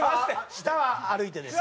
下は歩いて。